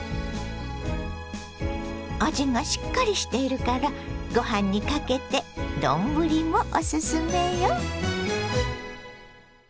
味がしっかりしているからごはんにかけて丼もオススメよ。